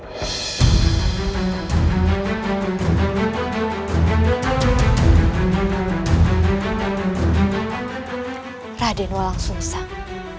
raden walang sulsang